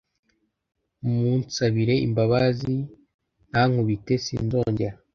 mumunsabire imbabazi ntankubite sinzongera